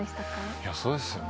いやそうですよね。